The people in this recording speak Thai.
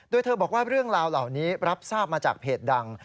โดยเธอบอกว่าเรื่องราวเหล่านี้รับทราบมาจากเพจดัง